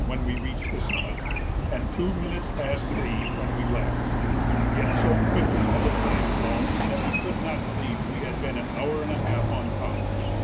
when we reached the summit and two minutes past three when we left; yet so quickly had the time flown that we could not believe we had been an hour and a half on top.